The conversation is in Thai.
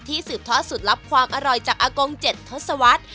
สืบทอดสูตรลับความอร่อยจากอากง๗ทศวรรษ